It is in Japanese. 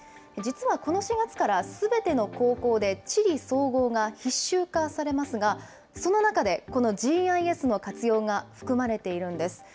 実はこの４月から、すべての高校で地理総合が必修化されますが、その中で、このＧＩＳの活用が含まれているんです。